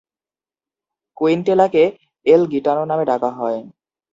কুইনটেলাকে "El Gitano" নামে ডাকা হয়।